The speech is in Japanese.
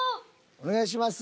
お願いします。